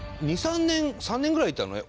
２３年３年ぐらいいたのね